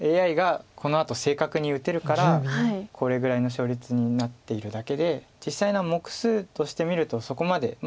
ＡＩがこのあと正確に打てるからこれぐらいの勝率になっているだけで実際の目数として見るとそこまで。